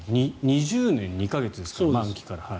２０年２か月ですから満期から。